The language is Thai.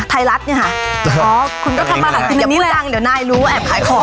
ไทยรัฐเนี่ยค่ะอ๋อคุณก็ทำมาถังอย่าพูดดังเดี๋ยวนายรู้ว่าแอบขายของ